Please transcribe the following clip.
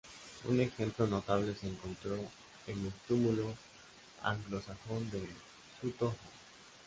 Un ejemplo notable se encontró en el túmulo anglosajón de Sutton Hoo.